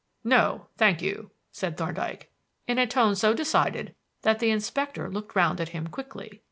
"No, thank you," said Thorndyke, in a tone so decided that the inspector looked round at him quickly.